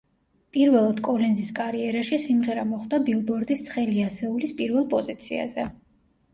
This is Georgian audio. პირველად კოლინზის კარიერაში სიმღერა მოხვდა ბილბორდის ცხელი ასეულის პირველ პოზიციაზე.